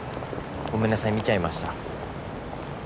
ごめんなさい見ちゃいました。